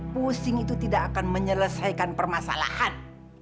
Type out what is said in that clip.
pusing itu tidak akan menyelesaikan permasalahan